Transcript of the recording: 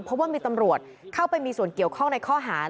เพราะว่ามีตำรวจเข้าไปมีส่วนเกี่ยวข้องในข้อหาร